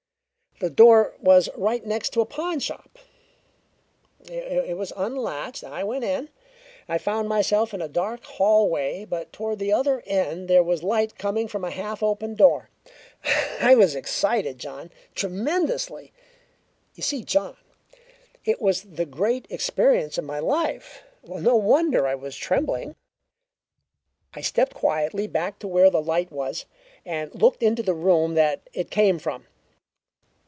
The door was right next to a pawnshop. It was unlatched, and I went in. I found myself in a dark hallway, but toward the other end there was light coming from a half opened door. I was excited, John. Tremendously. You see, John, it was the great experience of my life no wonder I was trembling. "I stepped quietly back to where the light was, and looked into the room that it came from.